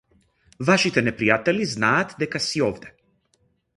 Вашите непријатели знаат дека си овде.